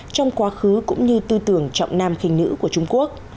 trong quá khứ cũng như tư tưởng trọng nam khinh nữ của trung quốc